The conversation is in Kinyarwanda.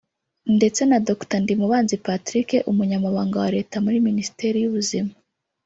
ndetse na Dr Ndimubanzi Patrick Umunyamabanga wa Leta muri minisiteri y’Ubuzima